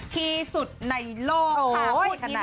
ที่สุดในโลกค่ะโอ้ยขนาดนั้น